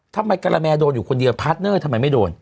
ทำไมการแมร์โดนอยู่คนเดียวพาร์ทเนอร์ทำไมไม่โดน